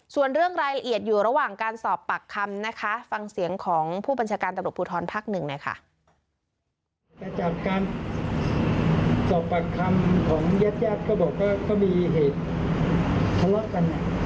ส่วนเรื่องรายละเอียดอยู่ระหว่างการสอบปากคำนะคะฟังเสียงของผู้บัญชาการตำรวจภูทรภักดิ์หนึ่งหน่อยค่ะ